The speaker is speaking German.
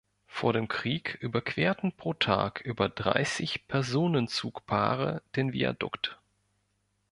Vor dem Krieg überquerten pro Tag über dreißig Personenzugpaare den Viadukt.